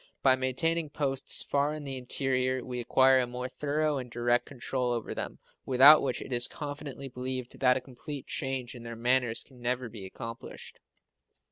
By maintaining posts far in the interior we acquire a more thorough and direct control over them, without which it is confidently believed that a complete change in their manners can never be accomplished.